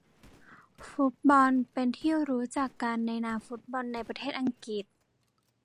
ฟุตบอลเป็นที่รู้จักกันในนามฟุตบอลในประเทศอังกฤษ